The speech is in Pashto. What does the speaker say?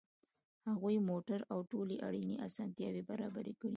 هغوی موټر او ټولې اړینې اسانتیاوې برابرې کړې